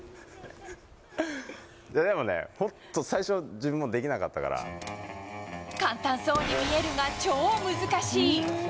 でもね、本当、最初、自分もでき簡単そうに見えるが、超難しい。